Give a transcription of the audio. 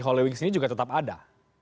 holywings ini juga tetap ada